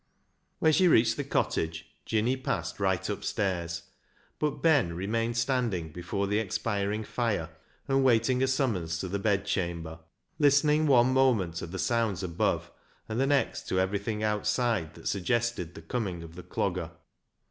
When she reached the cottage, Jinny passed right upstairs, but Ben remained standing before the expiring fire, and waiting a summons to the THE MEMORY OF THE JUST 227 bed chamber, listening one moment to the sounds above, and the next to everything out side that suggested the coming of the Clogger.